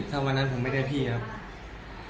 ถ้าวันนั้นผมไม่ได้พี่ครับ